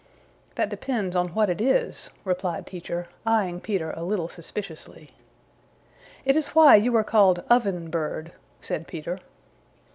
"That depends on what it is," replied Teacher, eyeing Peter a little suspiciously. "It is why you are called Oven Bird," said Peter.